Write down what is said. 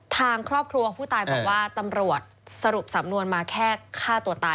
ทางครอบครัวผู้ตายบอกว่าตำรวจสรุปสำนวนมาแค่ฆ่าตัวตาย